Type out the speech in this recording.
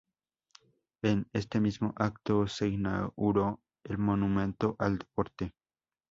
En este mismo acto se inauguró el Monumento al Deporte.